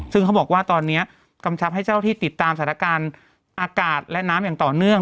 ซึ่งเขาบอกว่าตอนนี้กำชับให้เจ้าที่ติดตามสถานการณ์อากาศและน้ำอย่างต่อเนื่อง